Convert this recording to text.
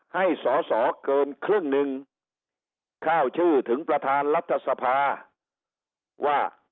ให้สอสอเกินครึ่งหนึ่งเข้าชื่อถึงประธานรัฐสภาว่า